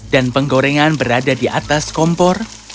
dan penggorengan berada di atas kompor